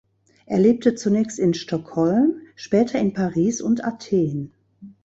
Er lebte zunächst in Stockholm, später in Paris und Athen.